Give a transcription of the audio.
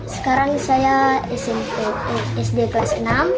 sekarang saya sd kelas enam